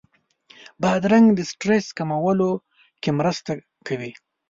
بادرنګ د سټرس کمولو کې مرسته کوي.